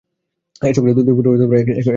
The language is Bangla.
এ সংসারে দুই পুত্র ও এক কন্যা সন্তান রয়েছে।